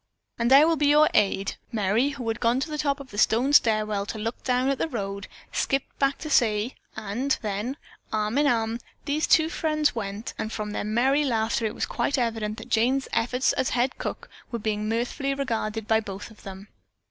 "And I will be your aide!" Merry, who had gone to the top of the stone stairway to look down at the road, skipped back to say, and, then, arm in arm, these two friends went, and from their merry laughter it was quite evident that Jane's efforts as head cook were being mirthfully regarded by both of them.